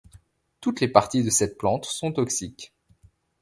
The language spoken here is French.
Toutes les parties de cette plante sont toxiques.